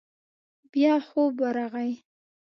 بيا خوب ورغی.